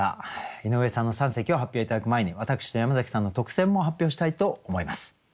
井上さんの三席を発表頂く前に私と山崎さんの特選も発表したいと思います。